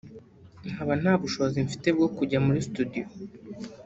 nkaba nta bushobozi mfite bwo kujya muri studio